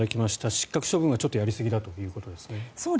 失格処分はちょっとやりすぎだということですね。